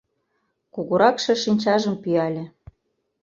Кугуракше шинчажым пӱяле.